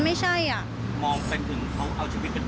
เอาชีวิตเป็นพยายามฆ่า